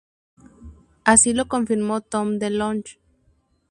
Así lo confirmó Tom DeLonge.